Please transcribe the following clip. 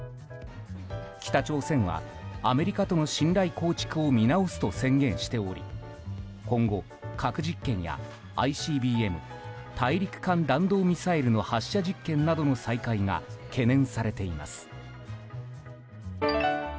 北朝鮮はアメリカとの信頼構築を見直すと宣言しており今後、核実験やＩＣＢＭ・大陸間弾道ミサイルの発射実験などの再開が懸念されています。